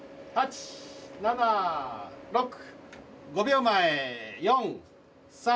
８７６５秒前４３２１。